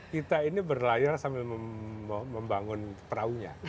kita ini berlayar ini sambil membangun peraunya